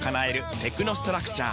テクノストラクチャー！